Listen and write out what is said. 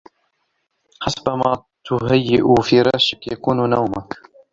حسبما تهيء فراشك يكون نومك.